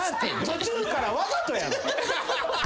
途中からわざとやん。